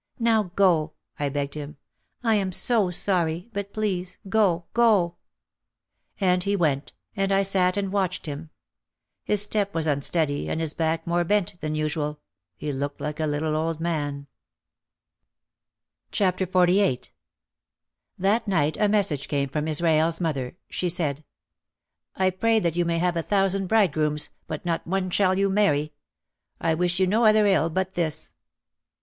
"Now go," I begged him. "I am so sorry, but please go, go!" And he went, and I sat and watched him; his step was unsteady and his back more bent than usual, he looked like an old man. OUT OF THE SHADOW 229 XLVIII That night a message came from Israel's mother. She said, "I pray that you may have a thousand bride grooms but not one shall you marry. I wish you no other ill but this!"